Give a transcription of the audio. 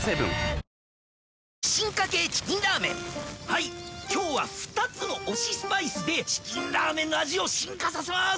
はいっ今日は二つの推しスパイスで『チキンラーメン』の味を進化させます